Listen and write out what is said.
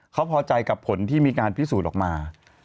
เขาพอใจกับผลที่มีการพิสูจน์ออกมา